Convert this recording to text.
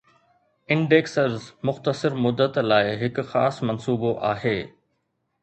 Indexers مختصر مدت لاء هڪ خاص منصوبو آهي